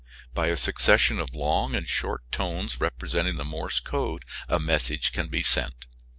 By a succession of long and short tones representing the Morse code a message can be sent.